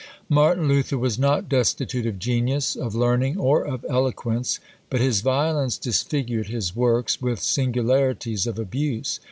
Martin Luther was not destitute of genius, of learning, or of eloquence; but his violence disfigured his works with singularities of abuse.